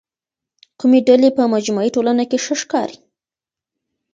کومې ډلې په مجموعي ټولنه کي ښه ښکاري؟